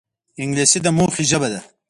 انګلیسي د موخې ژبه ده